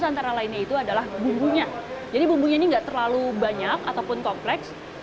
antara lainnya itu adalah bumbunya jadi bumbunya ini enggak terlalu banyak ataupun kompleks